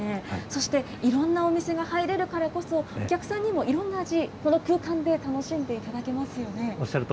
そして、いろんなお店が入れるからこそ、お客さんにもいろんな味、この空間で楽しんでいただけますよね。